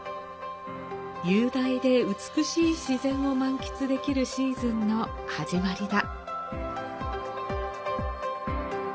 雄大で美しい自然を満喫できるシーズンの始まりだ。